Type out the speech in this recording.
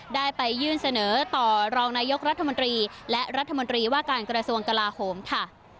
ได้ไปยื่นเสนอต่อรองนายกรัฐมนตรีและรัฐมนตรีว่าการกระทรวงกลาโหมค่ะ